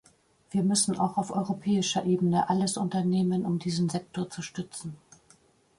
Wir müssen auch auf europäischer Ebene alles unternehmen, um diesen Sektor zu stützen.